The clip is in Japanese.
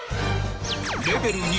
［レベル２］